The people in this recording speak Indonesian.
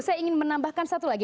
saya ingin menambahkan satu lagi